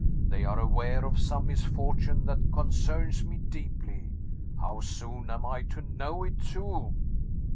They are aware of some misfortune that concerns me deeply. How soon am I to know it too?"